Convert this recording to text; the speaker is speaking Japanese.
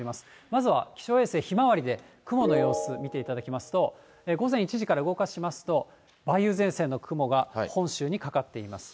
まずは気象衛星ひまわりで雲の様子、見ていただきますと、午前１時から動かしますと、梅雨前線の雲が本州にかかっています。